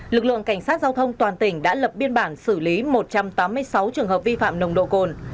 lực lượng cảnh sát giao thông toàn tỉnh đã lập biên bản xử lý một trăm tám mươi sáu trường hợp vi phạm nồng độ cồn